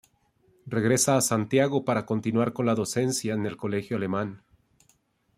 Regresa a Santiago para continuar con la docencia en el Colegio Alemán.